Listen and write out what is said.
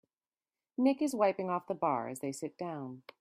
Nick is wiping off the bar as they sit down.